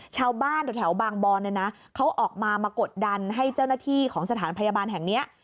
ชาวบ้านแถวบางบอนเนี่ยนะเขาออกมามากดดันให้เจ้าหน้าที่ของสถานพยาบาลแห่งนี้